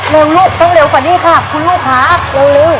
เร็วลูกต้องเร็วกว่านี้ค่ะคุณลูกค่ะเร็ว